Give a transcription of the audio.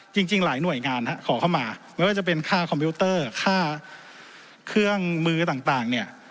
จริงหลายหน่วยงานขอเข้ามาไม่ว่าจะเป็นค่าคอมพิวเตอร์ค่าเครื่องมือต่างเนี่ย